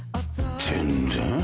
全然。